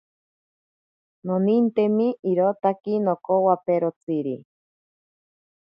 Nonintemi irotaki nokowaperotsiri.